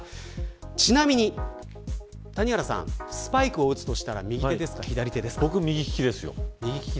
ちなみに谷原さんスパイクを打つとしたら僕、右利きですよ。